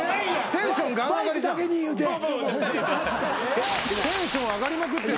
テンション上がりまくって。